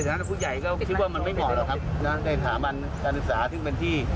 หากชายเหมือนกันแหลงคุณแกบอกเสายว่าแห่งคุณ